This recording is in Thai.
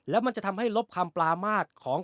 แล้วมันจะทำให้ลบคำปรามาทของ